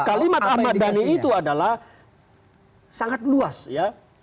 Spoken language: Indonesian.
kalimat ahmad dhani itu adalah sangat luas ya